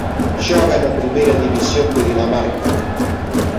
Xoga na Primeira División de Dinamarca.